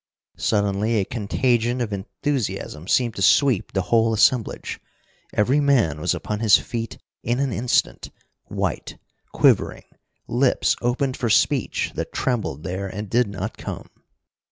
Suddenly a contagion of enthusiasm seemed to sweep the whole assemblage. Every man was upon his feet in an instant, white, quivering, lips opened for speech that trembled there and did not come.